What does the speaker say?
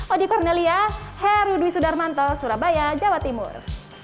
odi cornelia heru dwi sudarmanto surabaya jawa timur